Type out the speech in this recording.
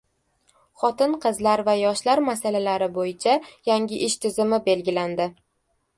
Xotin-qizlar va yoshlar masalalari bo‘yicha yangi ish tizimi belgilandi